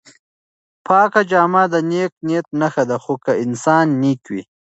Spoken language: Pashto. پاکه جامه د نېک نیت نښه ده خو که انسان نېک وي.